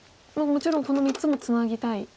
もちろんこの３つもツナぎたい。